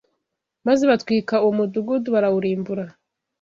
maze batwika uwo mudugudu barawurimbura.